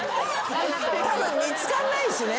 たぶん見つかんないしね。